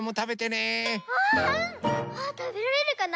あたべられるかな？